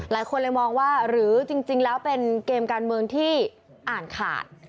หลายคนเลยมองว่าหรือจริงแล้วเป็นเกมการเมืองที่อ่านขาด